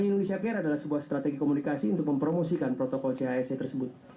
indonesia care adalah sebuah strategi komunikasi untuk mempromosikan protokol chse tersebut